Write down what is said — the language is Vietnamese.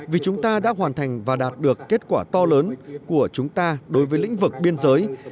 vì chúng ta đã hoàn thành và đạt được kết quả to lớn của chúng ta đối với lĩnh vực biên giới